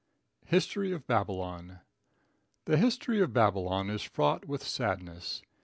History of Babylon. The history of Babylon is fraught with sadness.